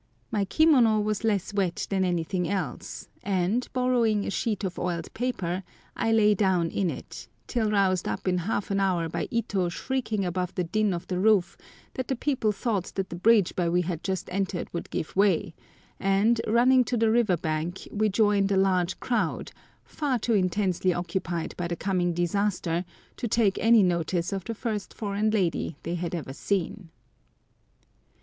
My kimono was less wet than anything else, and, borrowing a sheet of oiled paper, I lay down in it, till roused up in half an hour by Ito shrieking above the din on the roof that the people thought that the bridge by which we had just entered would give way; and, running to the river bank, we joined a large crowd, far too intensely occupied by the coming disaster to take any notice of the first foreign lady they had ever seen.